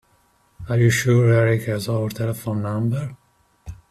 Are you sure Erik has our telephone number?